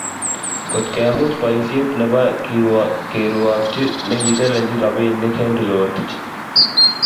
Ngotkemuch boisiet nebo kerwokchi nekitelelchin robinik Henry Rotich